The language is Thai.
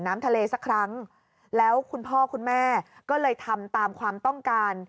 น้ำทะเลสักครั้งแล้วคุณพ่อคุณแม่ก็เลยทำตามความต้องการ